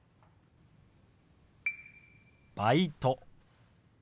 「バイト」。